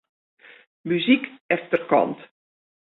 Muzyk efterkant.